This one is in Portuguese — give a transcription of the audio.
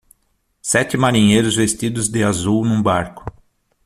Sete marinheiros vestidos de azul num barco.